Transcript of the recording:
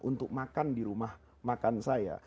untuk makan di rumah makan saya